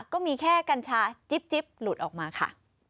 ก็มีแค่กัญชาจิ๊บหลุดออกมาค่ะ